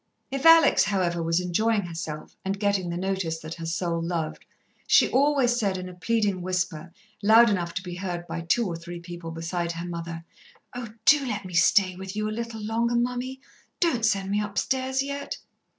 If Alex, however, was enjoying herself, and getting the notice that her soul loved, she always said in a pleading whisper, loud enough to be heard by two or three people besides her mother: "Oh, do let me stay with you a little longer, mummy. Don't send me upstairs yet!"